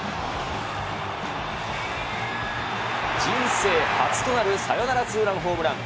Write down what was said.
人生初となるサヨナラツーランホームラン。